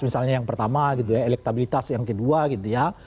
misalnya yang pertama gitu ya elektabilitas yang kedua gitu ya